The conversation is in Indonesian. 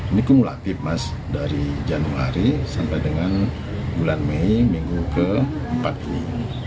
ini kumulatif mas dari januari sampai dengan bulan mei minggu keempat ini